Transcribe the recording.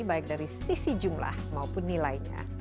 baik dari sisi jumlah maupun nilainya